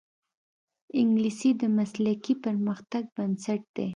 انګلیسي د مسلکي پرمختګ بنسټ دی